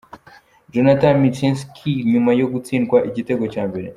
Jonathan Mckinstry nyuma yo gutsindwa igitego cya mbere.